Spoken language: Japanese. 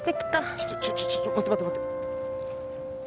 ちょちょちょちょ待って待って待って！